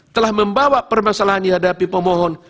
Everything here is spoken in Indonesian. telah membawa permasalahan dihadapi pemohon